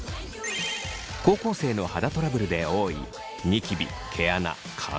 高校生の肌トラブルで多いニキビ毛穴乾燥。